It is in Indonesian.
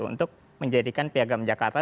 untuk menjadikan piagam jakarta